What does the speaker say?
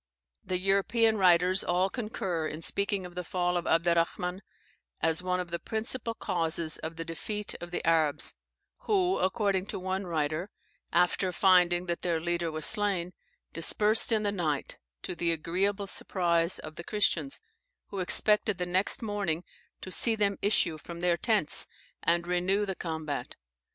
] The European writers all concur in speaking of the fall of Abderrahman as one of the principal causes of the defeat of the Arabs; who, according to one writer, after finding that their leader was slain, dispersed in the night, to the agreeable surprise of the Christians, who expected the next morning to see them issue from their tents, and renew the combat.